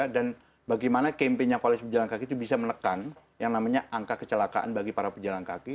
dan bagaimana kempennya koalisi pejalan kaki itu bisa menekan yang namanya angka kecelakaan bagi para pejalan kaki